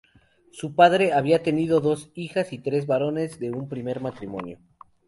Su padre había tenido dos hijas y tres varones de un primer matrimonio.